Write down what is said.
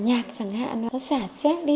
nhạc chẳng hạn nó xả xét đi